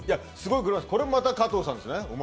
これもまた加藤さんです。